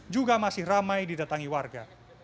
juga masih ramai didatangi warga